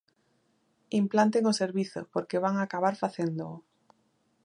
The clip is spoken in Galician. Implanten o servizo, porque van acabar facéndoo.